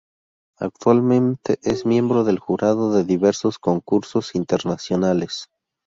Actualmente es miembro del jurado de diversos concursos internacionales.